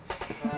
iya betul pak